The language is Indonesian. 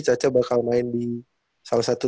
caca bakal main di salah satu